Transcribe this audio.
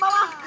kacau kamu mah